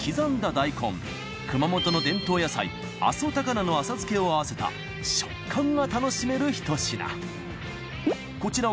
大根熊本の伝統野菜阿蘇たかなの浅漬けを合わせた食感が楽しめる１品。